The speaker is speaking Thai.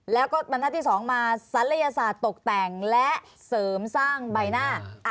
และก็บันทับที่สองมาศรรยศาสตร์ตกแต่งและเสริมสร้างใบหน้า